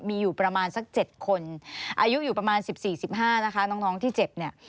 มีอยู่ประมาณสัก๗คนอายุอยู่ประมาณ๑๔๑๕นะคะน้องที่เจ็บเนี่ย